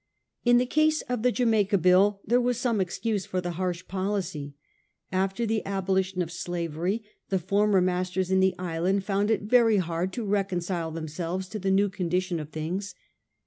In tbe case of tbe Jamaica Bill there was some excuse for tbe barsb pobcy. After tbe abolition of slavery, tbe former masters in tbe island found it very bard to reconcile themselves to tbe new condition of things.